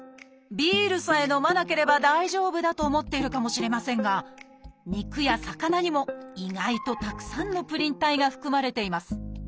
ビールさえ飲まなければ大丈夫だと思っているかもしれませんが肉や魚にも意外とたくさんのプリン体が含まれています。